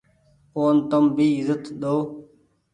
اون تم ڀي ايزت ۮئو۔